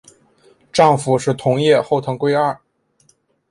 丈夫是同业后藤圭二。